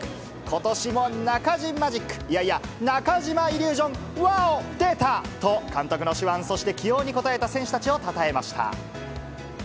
ことしもナカジマジック、いやいや、中嶋イリュージョン、ワオ、出た！と、監督の手腕、そして起用に応えた選手たちをたたえました。